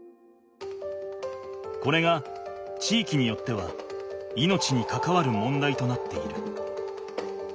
これが地域によっては命にかかわる問題となっている。